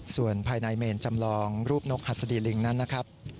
ส่วนภายในเมนจำลองรูปนกหัสดีลิงนั้นนะครับ